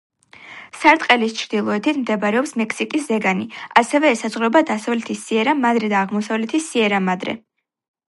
სარტყელის ჩრდილოეთით მდებარეობს მექსიკის ზეგანი, ასევე ესაზღვრება დასავლეთი სიერა-მადრე და აღმოსავლეთი სიერა-მადრე.